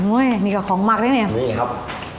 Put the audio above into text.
โอ๊ยนี่ก่อนของหมักได้ไหมนะครับมีครับ